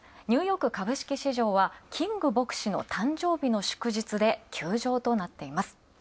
ニューヨーク株式市場はキング牧師の誕生日の祝日で休場となっています。